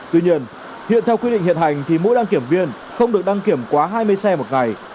tuy nhiên hiện theo quy định hiện hành thì mỗi đăng kiểm viên không được đăng kiểm quá hai mươi xe một ngày